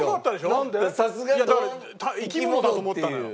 だから生き物だと思ったのよ。